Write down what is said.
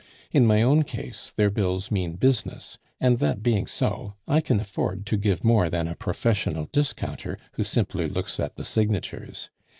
In my own case, their bills mean business; and that being so, I can afford to give more than a professional discounter who simply looks at the signatures.